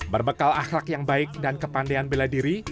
berbekal akhlak yang baik dan kepandean bela diri